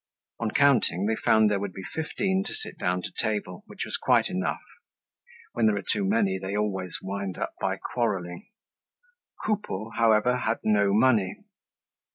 On counting, they found there would be fifteen to sit down to table, which was quite enough. When there are too many, they always wind up by quarrelling. Coupeau however, had no money.